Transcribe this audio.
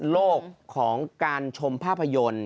โลกของการชมภาพยนตร์